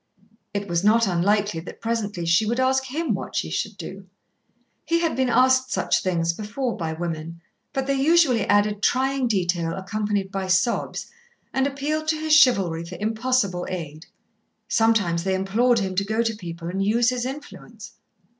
It was not unlikely that presently she would ask him what she should do. He had been asked such things before by women, but they usually added trying detail accompanied by sobs, and appealed to his chivalry for impossible aid. Sometimes they implored him to go to people and use his influence.